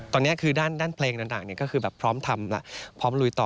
ตอนนี้คือด้านเพลงต่างก็คือแบบพร้อมทำพร้อมลุยต่อ